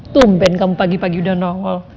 tumben kamu pagi pagi udah nongol